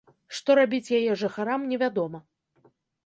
Што рабіць яе жыхарам, невядома.